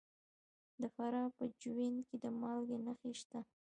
د فراه په جوین کې د مالګې نښې شته.